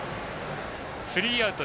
スリーアウト。